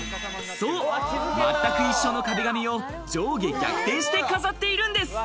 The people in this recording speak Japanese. そう、全く一緒の壁紙を上下逆転して飾っているんです。